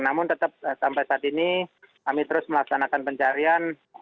namun tetap sampai saat ini kami terus melaksanakan pencarian